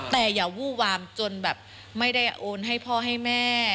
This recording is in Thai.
แต่อย่าวู้วามจนแบบไม่ได้โอนให้พ่อให้แม่